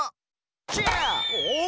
チェアー！